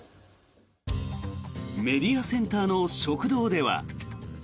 メディアセンターの食堂では。